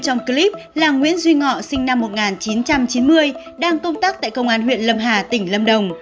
trong clip là nguyễn duy ngọ sinh năm một nghìn chín trăm chín mươi đang công tác tại công an huyện lâm hà tỉnh lâm đồng